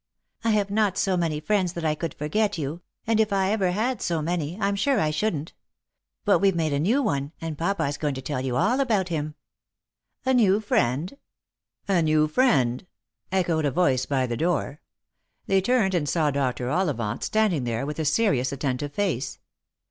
" I have not so many friends that I could forget you ; and if I had ever so many, I'm sure I shouldn't. But we've made a new one, and papa is going to tell you all about him." " A new friend !"" A new friend !" echoed a voice by the door. They turned and saw Dr. Ollivant standing there with a serious attentive face.